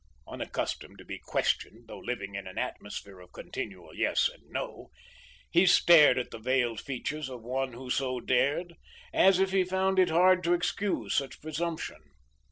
Unaccustomed to be questioned, though living in an atmosphere of continual yes and no, he stared at the veiled features of one who so dared, as if he found it hard to excuse such presumption.